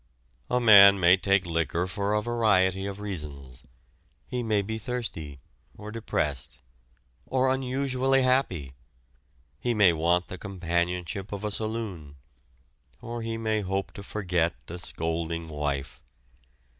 A man may take liquor for a variety of reasons: he may be thirsty; or depressed; or unusually happy; he may want the companionship of a saloon, or he may hope to forget a scolding wife.